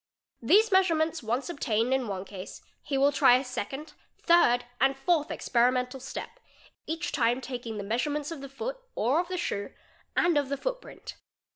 ' These measurements once obtained in one case he will try a second, third, and fourth experimental step, each time taking the measurements of the foot (or of the shoe) and of the footprint.